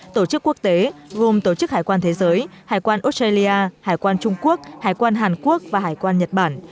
tổ chức quốc tế gồm tổ chức hải quan thế giới hải quan australia hải quan trung quốc hải quan hàn quốc và hải quan nhật bản